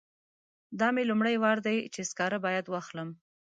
دا مې لومړی وار دی چې سکاره باید واخلم.